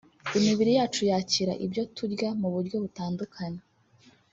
Imibiri yacu yakira ibyo turya mu buryo butandukanye